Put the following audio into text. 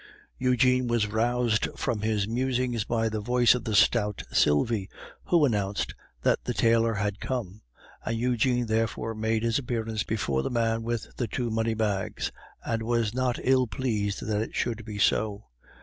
Eugene was roused from his musings by the voice of the stout Sylvie, who announced that the tailor had come, and Eugene therefore made his appearance before the man with the two money bags, and was not ill pleased that it should be so.